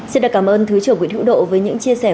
xin cảm ơn thứ trưởng quỹ thủ độ với những chia sẻ